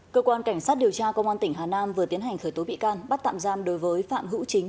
cơ quan cảnh sát điều tra công an tỉnh hà nam vừa tiến hành khởi tố bị can bắt tạm giam đối với phạm hữu chính